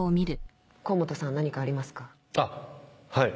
あっはい。